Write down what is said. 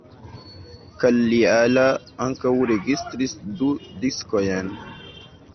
Kalliala ankaŭ registris du diskojn.